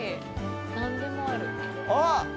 あっ！